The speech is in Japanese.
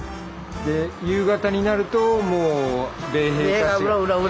で夕方になるともう米兵たちが？